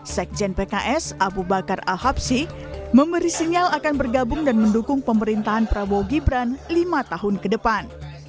sekjen pks abu bakar al habshi memberi sinyal akan bergabung dan mendukung pemerintahan prabowo gibran lima tahun ke depan